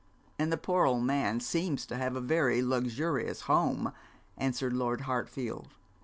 'And the poor old man seems to have a very luxurious home,' answered Lord Hartfield.